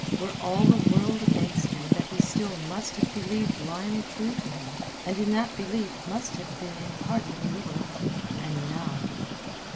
Were all the world against him he still must have believed Lionel true to him, and in that belief must have been enheartened a little. And now...